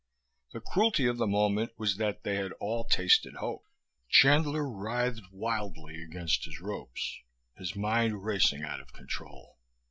The cruelty of the moment was that they had all tasted hope. Chandler writhed wildly against his ropes, his mind racing out of control.